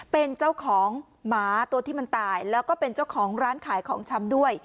เป็นเจ้าของหมาตัวที่มันตายแล้วก็เป็นเจ้าของร้านขายของชำด้วย